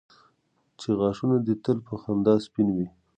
چې غاښونه دي تل په خندا سپین وي.